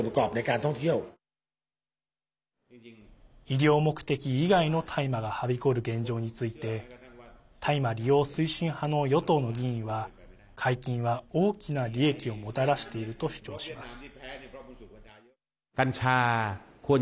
医療目的以外の大麻がはびこる現状について大麻利用推進派の与党の議員は解禁は大きな利益をもたらしていると主張します。